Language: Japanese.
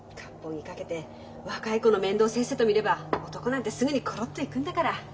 着かけて若い子の面倒せっせと見れば男なんてすぐにコロッといくんだから。